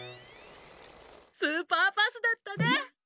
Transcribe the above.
スーパーパスだったね！